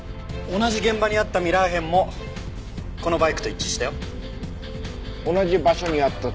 同じ場所にあったタイヤ痕もこのバイクと一致した。